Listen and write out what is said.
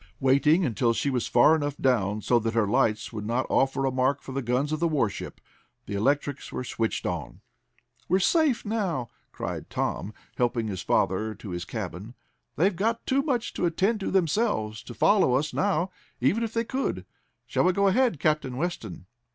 Waiting until she was far enough down so that her lights would not offer a mark for the guns of the warship, the electrics were switched on. "We're safe now!" cried Tom, helping his father to his cabin. "They've got too much to attend to themselves to follow us now, even if they could. Shall we go ahead, Captain Weston?"